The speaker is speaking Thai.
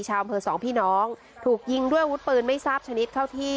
อำเภอสองพี่น้องถูกยิงด้วยอาวุธปืนไม่ทราบชนิดเข้าที่